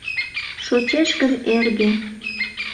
Шочеш гын эрге